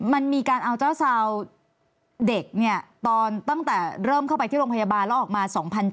มันมีการเอาเจ้าซาวเด็กเนี่ยตอนตั้งแต่เริ่มเข้าไปที่โรงพยาบาลแล้วออกมา๒๗๐